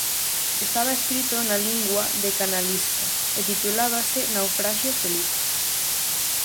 Estaba escrito na lingua de Canalisca e titulábase Naufraxio feliz.